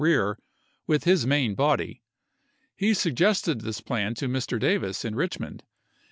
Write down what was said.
rear with his main body. He suggested this plan Aug. % vm. to Mr. Davis in Richmond.